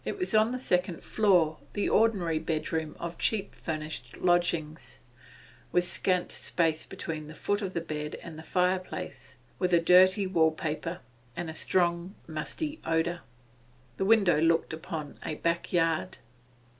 It was on the second floor, the ordinary bedroom of cheap furnished lodgings, with scant space between the foot of the bed and the fireplace, with a dirty wall paper and a strong musty odour. The window looked upon a backyard.